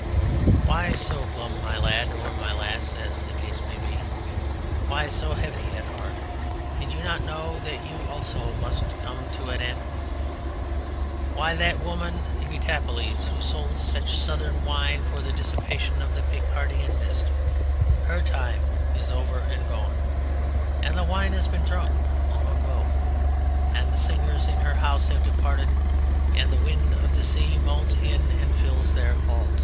Why so glum, my Lad, or my Lass (as the case may be), why so heavy at heart? Did you not know that you also must Come to an End? Why, that woman of Etaples who sold such Southern wine for the dissipation of the Picardian Mist, her time is over and gone and the wine has been drunk long ago and the singers in her house have departed, and the wind of the sea moans in and fills their hall.